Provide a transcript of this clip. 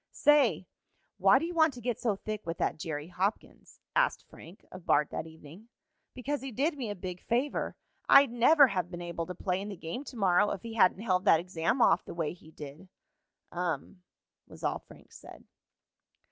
"Say, why do you want to get so thick with that Jerry Hopkins?" asked Frank of Bart that evening. "Because he did me a big favor. I'd never have been able to play in the game to morrow if he hadn't held that exam off the way he did." "Um," was all Frank said.